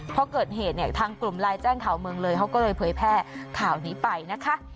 พอเกิดเหตุเนี่ยทางกลุ่มไลน์แจ้งข่าวเมืองเลยเขาก็เลยเผยแพร่ข่าวนี้ไปนะคะ